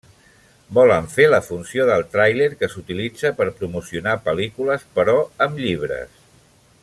Volen fer la funció del tràiler que s’utilitza per promocionar pel·lícules, però amb llibres.